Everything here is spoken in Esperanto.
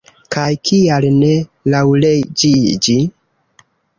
Kaj kial ne laŭleĝigi?